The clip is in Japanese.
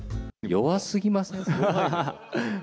弱すぎません？